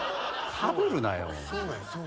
かぶるなよ。